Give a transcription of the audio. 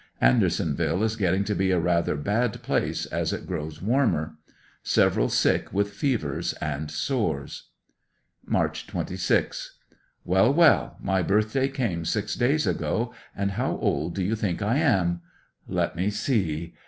Andeisonville is getting to be a rather bad place as it grows warmer. Several sick with fevers and sores. March 26. — Well, well, my birthday came six days ago, and how old do you think I am? Let me see.